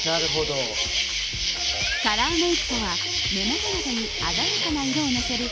カラーメイクとは、目元などに鮮やかな色をのせる